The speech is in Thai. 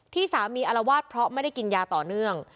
ที่สามีอารวาสเพราะไม่ได้กินยาต่อเนื่อง